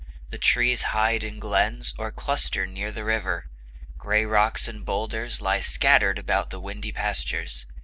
The trees hide in glens or cluster near the river; gray rocks and bowlders lie scattered about the windy pastures.